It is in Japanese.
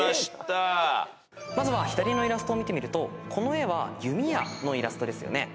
まずは左のイラストを見てみるとこの絵は弓矢のイラストですよね。